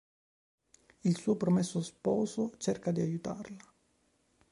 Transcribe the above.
Il suo promesso sposo cerca di aiutarla.